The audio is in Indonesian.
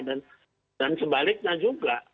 dan sebaliknya juga